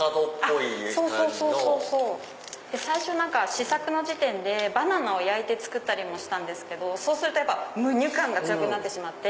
試作の時点でバナナを焼いて作ったりもしたんですけどそうするとむにゅ感が強くなってしまって。